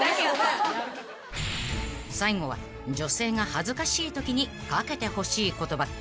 ［最後は女性が恥ずかしいときにかけてほしい言葉］